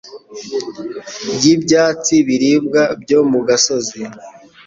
y’ibyatsi biribwa byo mu gasozi